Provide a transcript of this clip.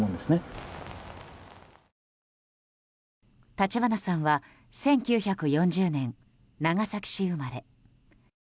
立花さんは１９４０年、長崎市生まれ。